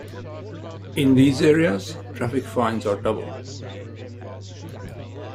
In these areas, traffic fines are doubled.